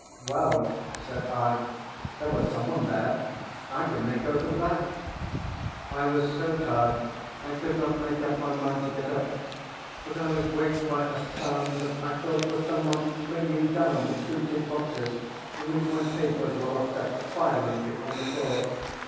"Well," said I, "there was some one there, I can make oath of that. I was so tired I could not make up my mind to get up; but I was waked by a sound that I thought was some one flinging down the two tin boxes in which my papers were locked up violently on the floor.